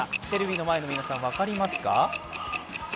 テレビの前の皆さん分かりますか？